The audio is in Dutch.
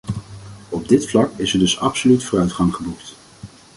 Op dit vlak is er dus absoluut vooruitgang geboekt.